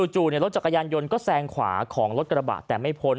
จู่รถจักรยานยนต์ก็แซงขวาของรถกระบะแต่ไม่พ้น